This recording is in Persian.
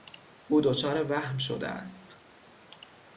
او دچار وهم شده است.